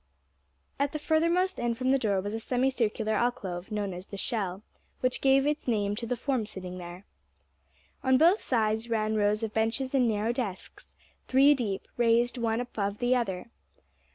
At the furthermost end from the door was a semicircular alcove, known as the "Shell," which gave its name to the form sitting there. On both sides ran rows of benches and narrow desks, three deep, raised one above the other.